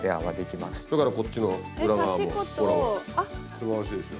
すばらしいでしょ。